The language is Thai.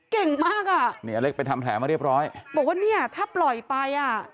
เก่งมากอ่ะบอกว่าเนี่ยถ้าปล่อยไปอ่ะอ่อ